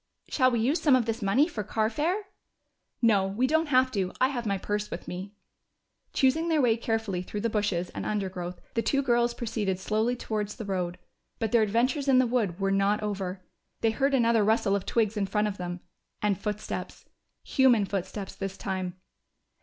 "Shall we use some of this money for carfare?" "No, we don't have to. I have my purse with me." Choosing their way carefully through the bushes and undergrowth, the two girls proceeded slowly towards the road. But their adventures in the wood were not over. They heard another rustle of twigs in front of them, and footsteps. Human footsteps, this time!